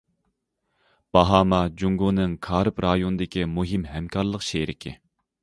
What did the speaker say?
باھاما جۇڭگونىڭ كارىب رايونىدىكى مۇھىم ھەمكارلىق شېرىكى.